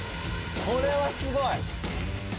これはすごい。